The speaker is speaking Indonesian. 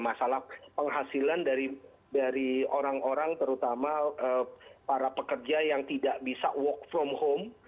masalah penghasilan dari orang orang terutama para pekerja yang tidak bisa work from home